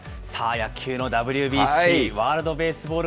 野球のＷＢＣ・ワールドベースボール